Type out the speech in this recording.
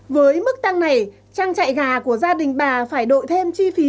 với mức tăng này trang trại gà của gia đình bà phải đội thêm chi phí